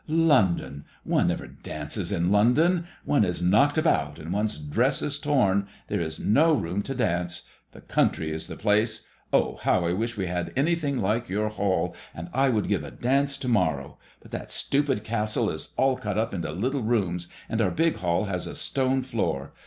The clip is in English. London I One never dances in London. One is knocked about and one's dress is torn ; there is no room to dance. The country is the place. Oh, how I wish we had anything like your hall, and I would give a dance to morrow; but that stupid castle is all cut up into little rooms, and our big hall has a stone floor.